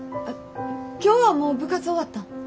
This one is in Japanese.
今日はもう部活終わったん？